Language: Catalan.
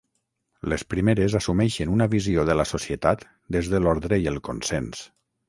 Les primeres assumeixen una visió de la societat des de l’ordre i el consens.